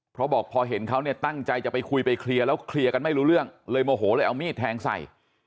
เพราะบอกพอเห็นเขาเนี่ยตั้งใจจะไปคุยไปเคลียร์แล้วเคลียร์กันไม่รู้เรื่องเลยโมโหเลยเอามีดแทงใส่